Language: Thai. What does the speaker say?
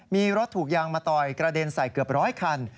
มีรถถูกยางมาต่อยกระเด็นใส่เกือบร้อยคัน